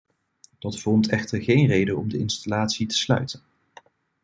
Dat vormt echter geen reden om de installatie te sluiten.